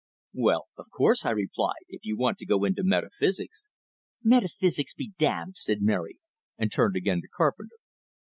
"Well, of course," I replied; "if you want to go into metaphysics " "Metaphysics be damned!" said Mary, and turned again to Carpenter.